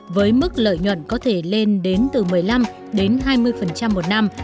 với mức lợi nhuận có thể lên đến từ một mươi năm đến hai mươi một năm